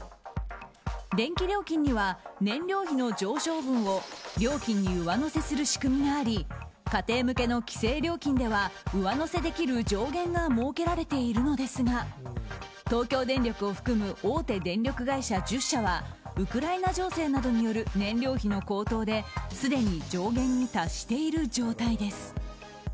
電気料金には燃料費の上昇分を料金に上乗せする仕組みがあり家庭向けの規制料金では上乗せできる上限が設けられているのですが東京電力を含む大手電力会社１０社はウクライナ情勢などによる燃料費の高騰ですでに上限に達している状態です。